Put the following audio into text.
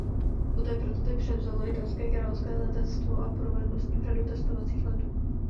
Poté prototyp převzalo italské královské letectvo a provedlo s ním řadu testovacích letů.